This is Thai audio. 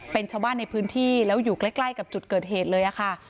เป็นชาวบ้านในพื้นที่แล้วอยู่ใกล้กับจุดเกิดเหตุเลยค่ะ